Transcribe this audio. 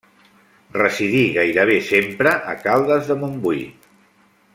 Residí gairebé sempre a Caldes de Montbui.